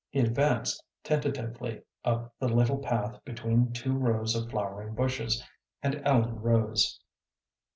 He advanced tentatively up the little path between two rows of flowering bushes, and Ellen rose.